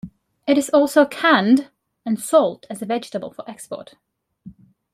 It is also canned and sold as a vegetable for export.